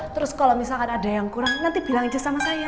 terus kalau misalkan ada yang kurang nanti bilang aja sama saya